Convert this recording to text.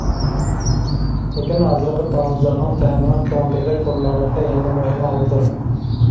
لېكىن ھازىرقى تاۋۇزلارنىڭ تەمىنىڭ كۆڭۈلدىكىدەك بولمىغانلىقى يەنىلا مۇھىم ئامىلدۇر.